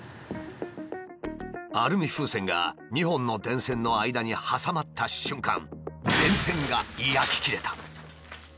アルミ風船が２本の電線の間に挟まった瞬間電線が焼き切れた。